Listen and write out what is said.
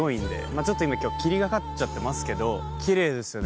ちょっと今今日霧がかっちゃってますけどキレイですよね